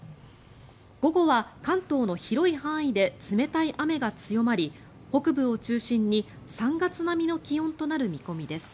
午後は関東の広い範囲で冷たい雨が強まり北部を中心に３月並みの気温となる見込みです。